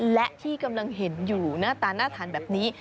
และที่กำลังเห็นอยู่หน้าตาน่าทานแบบนี้